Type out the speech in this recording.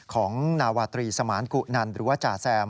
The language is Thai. ของนาวาตรีสมานกุนันหรือว่าจ่าแซม